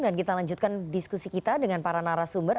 dan kita lanjutkan diskusi kita dengan para narasumber